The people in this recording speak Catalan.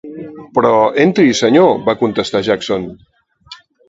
'Però entri, senyor', va contestar Jackson.